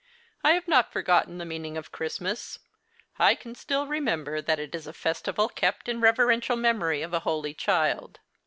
I have not forgotten the meaning of Christmas. I can still remember that it is a festival kept in reverential memory of a Holy Child.